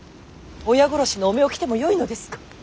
親殺しの汚名を着てもよいのですか。